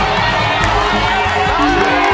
เย้เย้เย้